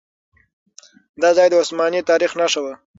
دا ځای د عثماني تاريخ نښه وه.